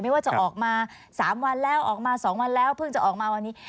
ว่าจะออกมา๓วันแล้วออกมา๒วันแล้วเพิ่งจะออกมาวันนี้